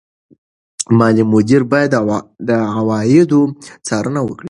مالي مدیر باید د عوایدو څارنه وکړي.